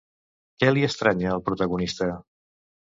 Què li estranya al protagonista?